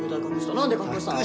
なんで隠したの？